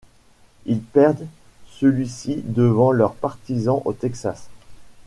Ils perdent celui-ci devant leurs partisans au Texas.